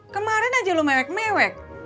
kemarin aja lu mewek mewek